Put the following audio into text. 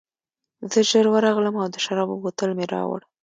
زه ژر ورغلم او د شرابو بوتل مې راوړ